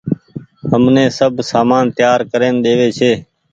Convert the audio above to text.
همني سب سامان تيآر ڪرين ۮيوي ڇي۔